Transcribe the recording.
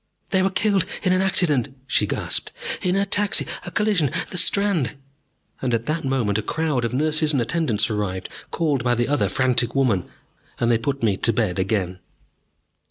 "They were killed in an accident," she gasped, "in a taxi a collision the Strand !" And at that moment a crowd of nurses and attendants arrived, called by the other frantic woman, and they put me to bed again.